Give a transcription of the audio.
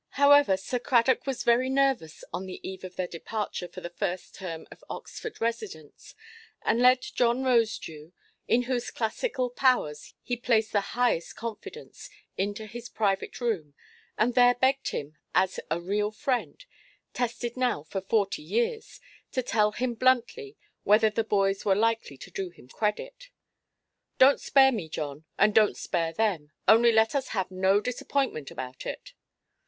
However, Sir Cradock was very nervous on the eve of their departure for the first term of Oxford residence, and led John Rosedew, in whose classical powers he placed the highest confidence, into his private room, and there begged him, as a real friend, tested now for forty years, to tell him bluntly whether the boys were likely to do him credit. "Donʼt spare me, John, and donʼt spare them: only let us have no disappointment about it".